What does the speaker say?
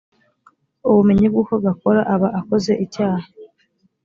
ubumenyi bw uko gakora aba akoze icyaha